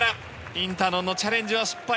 インタノンのチャレンジは失敗！